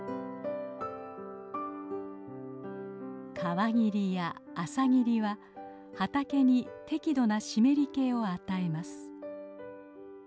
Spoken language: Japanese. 川霧や朝霧は畑に適度な湿り気を与えます。